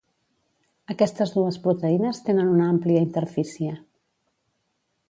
Aquestes dues proteïnes tenen una amplia interfície.